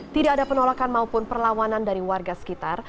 tidak ada penolakan maupun perlawanan dari warga sekitar